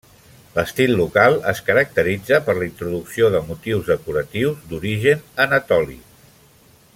L'estil local es caracteritza per la introducció de motius decoratius d'origen anatòlic.